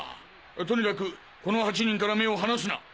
とにかくこの８人から目を離すな！